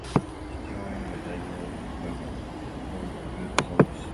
地中を泳ぐダイオウグソクムシ